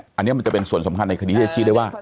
อันนี้มันจะเป็นส่วนสำคัญในคดีที่จะชี้ได้ว่า